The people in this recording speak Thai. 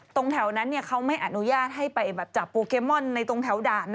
แถวนั้นเขาไม่อนุญาตให้ไปจับโปเกมอนในตรงแถวด่านนะ